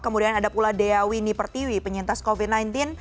kemudian ada pula deawi nipertiwi penyintas covid sembilan belas